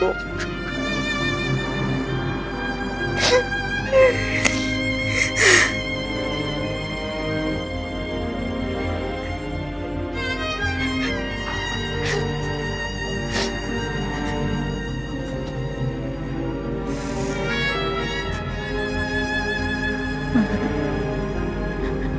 puncak mata diri